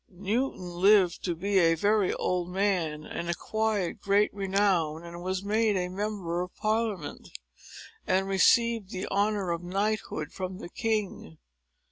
Newton lived to be a very old man, and acquired great renown, and was made a Member of Parliament, and received the honor of knighthood from the king.